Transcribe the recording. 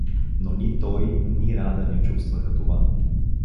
Но ни той, ни Рада не чувствуваха това.